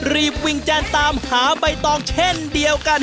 รีบวิ่งแจนตามหาใบตองเช่นเดียวกัน